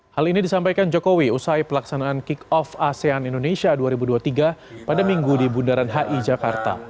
hal ini disampaikan jokowi usai pelaksanaan kick off asean indonesia dua ribu dua puluh tiga pada minggu di bundaran hi jakarta